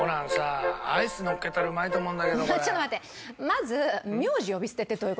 まず名字呼び捨てってどういう事？